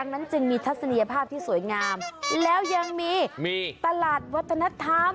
นั้นจึงมีทัศนียภาพที่สวยงามแล้วยังมีมีตลาดวัฒนธรรม